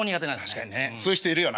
確かにねそういう人いるよな。